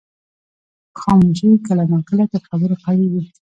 خاموشي کله ناکله تر خبرو قوي وي.